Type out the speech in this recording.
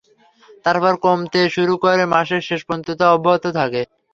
তারপর কমতে শুরু করে মাসের শেষ পর্যন্ত তা অব্যাহত থাকে।